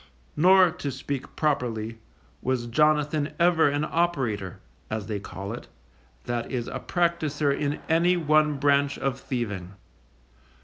Nor, to speak properly, was Jonathan ever an operator, as they call it, that is a practicer in any one branch of thieving.